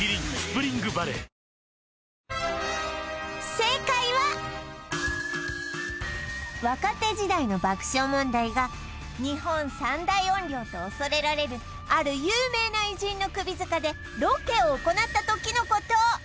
正解は若手時代の爆笑問題が日本三大怨霊と恐れられるある有名な偉人の首塚でロケを行った時のこと